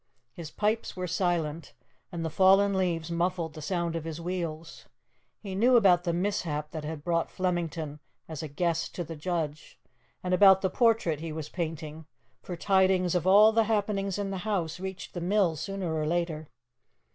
His pipes were silent, and the fallen leaves muffled the sound of his wheels. He knew about the mishap that had brought Flemington as a guest to the judge, and about the portrait he was painting, for tidings of all the happenings in the house reached the mill sooner or later.